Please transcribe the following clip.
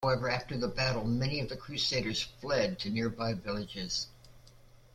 However, after the battle, many of the crusaders fled to nearby villages.